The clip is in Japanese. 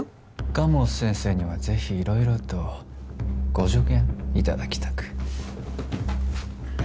蒲生先生にはぜひ色々とご助言いただきたく